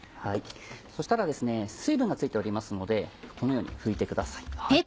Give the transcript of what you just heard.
そしたら水分が付いておりますのでこのように拭いてください。